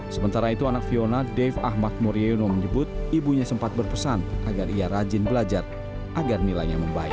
sementara itu anak fiona dave ahmad muriono menyebut ibunya sempat berpesan agar ia rajin belajar agar nilainya membaik